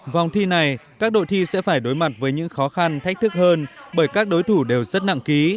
vòng thi này các đội thi sẽ phải đối mặt với những khó khăn thách thức hơn bởi các đối thủ đều rất nặng ký